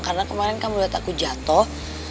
karena kemarin kamu lihat aku jatuh